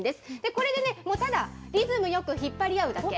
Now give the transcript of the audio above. これでもうただリズムよく引っ張り合うだけ。